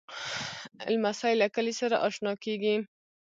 لمسی له کلي سره اشنا کېږي.